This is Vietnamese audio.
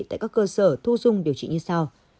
tại các cơ sở thu dung điều trị như sau